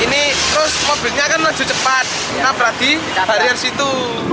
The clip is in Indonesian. ini terus mobilnya kan laju cepat nabrak di barier situ